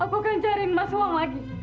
aku akan cari emas uang lagi